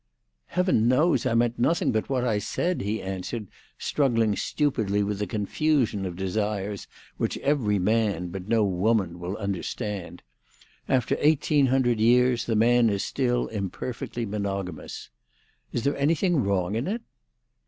"Heaven knows I meant nothing but what I said," he answered, struggling stupidly with a confusion of desires which every man but no woman will understand. After eighteen hundred years, the man is still imperfectly monogamous. "Is there anything wrong in it?"